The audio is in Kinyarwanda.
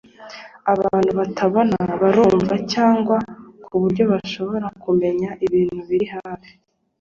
abantu batabona barumva cyane ku buryo bashobora kumenya ibintu biri hafi